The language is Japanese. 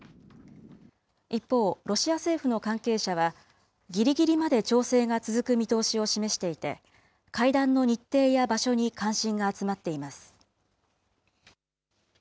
一方、ロシア政府の関係者は、ぎりぎりまで調整が続く見通しを示していて、会談の日程や場所に関心が集まっています。